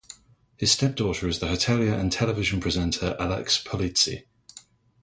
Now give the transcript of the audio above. His stepdaughter is the hotelier and television presenter Alex Polizzi.